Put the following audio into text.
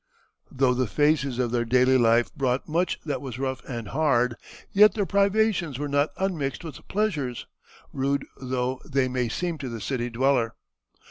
Though the phases of their daily life brought much that was rough and hard, yet their privations were not unmixed with pleasures, rude though they may seem to the city dweller.